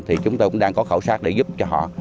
thì chúng tôi cũng đang có khảo sát để giúp cho họ